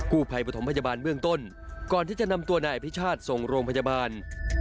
ผู้ภัยปฐมพยาบาลเบื้องต้นก่อนที่จะนำตัวนายอภิชาติส่งโรงพยาบาล